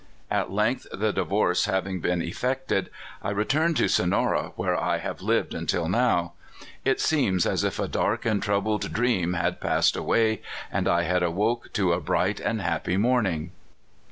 At length, the divorce having been effected, I returned to Sonora, where I have lived until now. It seems as if a dark and troubled dream had passed away, and I had awoke to a bright and happy morning."